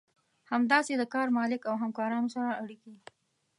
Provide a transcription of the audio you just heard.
همداسې د کار مالک او همکارانو سره اړيکې.